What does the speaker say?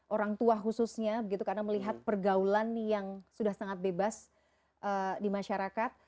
orang tua khususnya begitu karena melihat pergaulan yang sudah sangat bebas di masyarakat